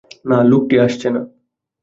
না, লোকটি আসছে না।